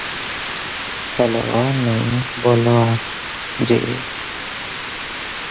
Total refers to the accumulation or sum of individual parts or quantities.